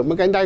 mới cánh tay